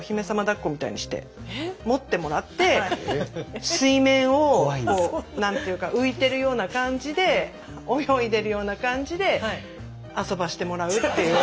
だっこみたいにして持ってもらって水面を何ていうか浮いてるような感じで泳いでるような感じで遊ばしてもらうっていう。